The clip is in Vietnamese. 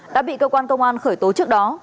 đã bị cơ quan công an khởi tố trước đó